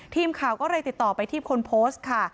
ทีมข่าวก็เลยติดต่อไปที่คนโพสต์ค่ะ